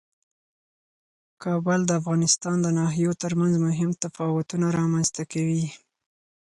کابل د افغانستان د ناحیو ترمنځ مهم تفاوتونه رامنځ ته کوي.